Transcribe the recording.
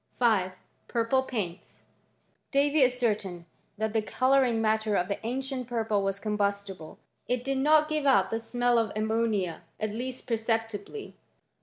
5. Purple paints, Davy ascertained that the colour ing matter of the ancient purple was combustible. > It did not give out the smell of ammonia, at least per ceptibly.